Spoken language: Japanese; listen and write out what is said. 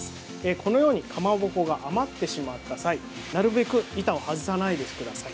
このように、かまぼこが余ってしまった際なるべく板を外さないでください。